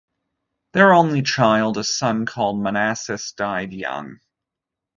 Their only child, a son called Manasses, died young.